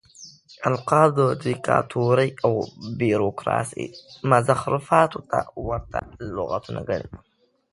القاب د ديکتاتورۍ او بيروکراسۍ مزخرفاتو ته ورته لغتونه ګڼي.